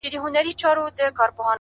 o دواړه لاسه يې کړل لپه ـ